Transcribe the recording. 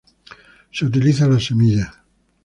Se utiliza la semilla.